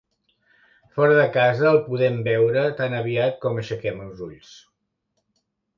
Fora de casa el podem veure tan aviat com aixequem els ulls.